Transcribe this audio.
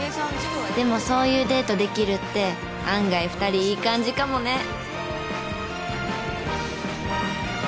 でもそういうデートできるって案外２人いい感じかもね。